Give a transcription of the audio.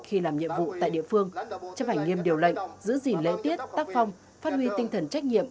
khi làm nhiệm vụ tại địa phương chấp hành nghiêm điều lệnh giữ gìn lễ tiết tác phong phát huy tinh thần trách nhiệm